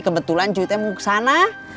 kebetulan cuy teh mau ke sana